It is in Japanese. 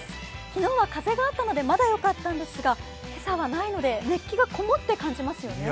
昨日は風があったのでまだよかったんですが今朝はないので熱気がこもって感じますよね。